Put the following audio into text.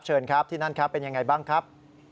เชิญครับที่นั่นครับเป็นยังไงบ้างครับ